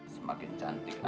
semakin cantik aja